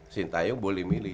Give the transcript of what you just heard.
sintayung boleh milih